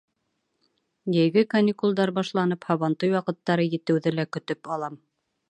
Йәйге каникулдар башланып, һабантуй ваҡыттары етеүҙе лә көтөп алам.